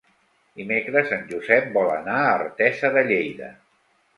Dimecres en Josep vol anar a Artesa de Lleida.